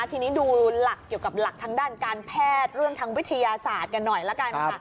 ทีนี้ดูหลักเกี่ยวกับหลักทางด้านการแพทย์เรื่องทางวิทยาศาสตร์กันหน่อยละกันค่ะ